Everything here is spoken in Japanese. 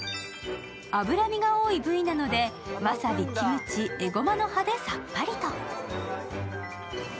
脂身が多い部位なので、わさび、キムチ、エゴマの葉でさっぱりと。